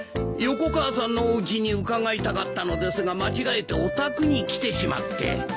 横川さんのおうちに伺いたかったのですが間違えてお宅に来てしまって。